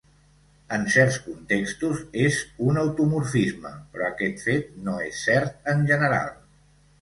En certs contextos és un automorfisme, però aquest fet no és cert en general.